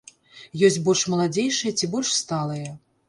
Ёсць больш маладзейшыя ці больш сталыя.